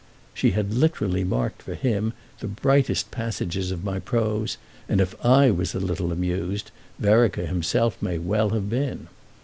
She had literally marked for him the brightest patches of my prose, and if I was a little amused Vereker himself may well have been.